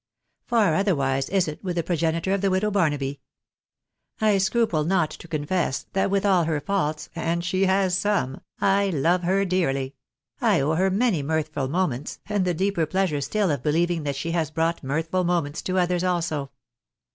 Far otherwise is it with the progenitor of the widow Barnaby. I scruple not to confess that with all her faults, and she has some, I love her dearly : I owe her many mirthful moments, and the deeper pleasure still of believing that she has brought mirthful moments to others also.